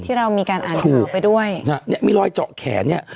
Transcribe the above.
ที่เรามีการอาธิบายไปด้วยถูกนี่มีรอยเจาะแขนเนี่ย